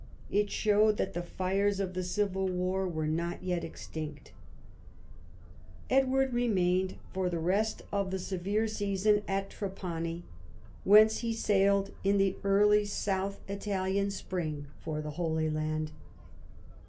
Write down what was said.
It showed that the fires of the civil war were not yet extinct. Edward remained for the rest of the severe season at Trapani, Avheuce he sailed in the early South Italian Ill EDWARD AS A CRUSADER 61 spring for the Holy Land.